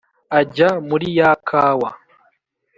ajya muri ya kawa